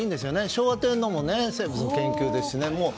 昭和天皇も生物研究ですしね。